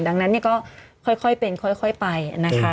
ดังนั้นก็ค่อยเป็นค่อยไปนะคะ